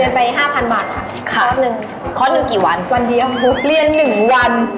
ไปห้าพันบาทค่ะครอบหนึ่งคลอดหนึ่งกี่วันวันเดียวปุ๊บเรียนหนึ่งวัน